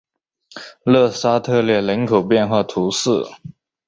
勒沙特列人口变化图示